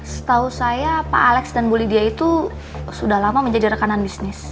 setahu saya pak alex dan bu lydia itu sudah lama menjadi rekanan bisnis